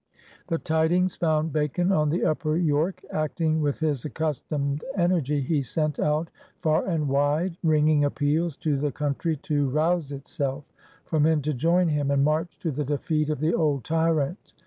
The tidings found Bacon on the upper York. Acting with his accustomed energy, he sent out, far and wide, ringing appeals to the country to rouse itself, for men to join him and march to the defeat of the old tyrant.